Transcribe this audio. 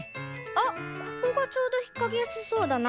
あっここがちょうどひっかけやすそうだな。